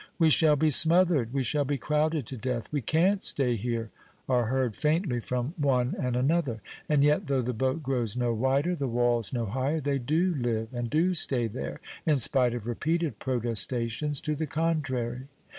"We shall be smothered! we shall be crowded to death! we can't stay here!" are heard faintly from one and another; and yet, though the boat grows no wider, the walls no higher, they do live, and do stay there, in spite of repeated protestations to the contrary.